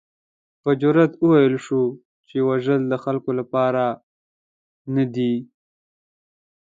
په جرات وویل شول چې وژل د خلکو لپاره نه دي.